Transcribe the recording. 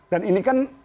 dan ini kan